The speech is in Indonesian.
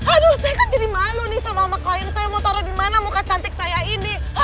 aduh saya kan jadi malu nih sama klien saya mau taruh di mana muka cantik saya ini